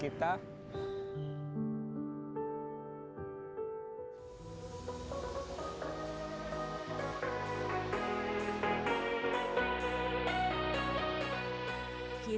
kisah setio budi hartanto membuktikan